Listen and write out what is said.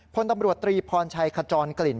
พลตำรวจตรีพรชัยขจรกลิ่น